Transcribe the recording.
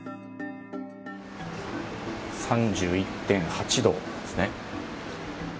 ３１．８度ですね。